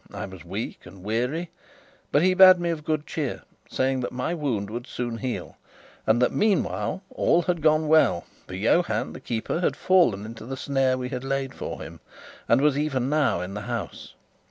I was weak and weary, but he bade me be of good cheer, saying that my wound would soon heal, and that meanwhile all had gone well, for Johann, the keeper, had fallen into the snare we had laid for him, and was even now in the house.